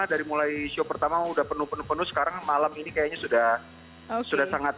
dari mulai show pertama udah penuh penuh sekarang malam ini kayaknya sudah sangat